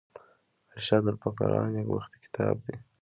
ارشاد الفقراء نېکبختي کتاب دﺉ.